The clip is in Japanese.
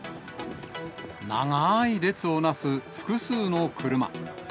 長い列をなす複数の車。